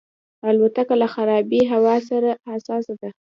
الوتکه له خرابې هوا سره حساسه ده.